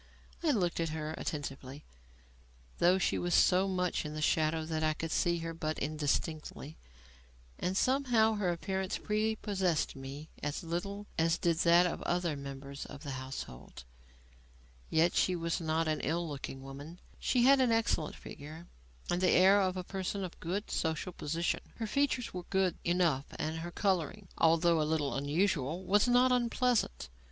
I looked at her attentively (though she was so much in the shadow that I could see her but indistinctly) and somehow her appearance prepossessed me as little as did that of the other members of the household. Yet she was not an ill looking woman. She had an excellent figure, and the air of a person of good social position; her features were good enough and her colouring, although a little unusual, was not unpleasant.